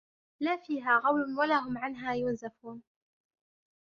لَا فِيهَا غَوْلٌ وَلَا هُمْ عَنْهَا يُنْزَفُونَ